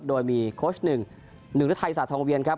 โดยมีโค้ชหนึ่งหนึ่งฤทัยศาสทองเวียนครับ